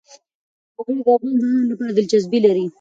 وګړي د افغان ځوانانو لپاره دلچسپي لري.